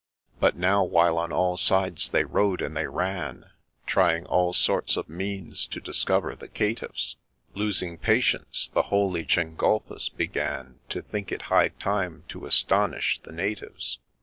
But now, while on all sides they rode and they ran, Trying all sorts of means to discover the caitiffs, Losing patience, the holy Gengulphus began To think it high time to ' astonish the natives.'